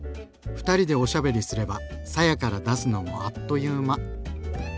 ２人でおしゃべりすればさやから出すのもあっという間。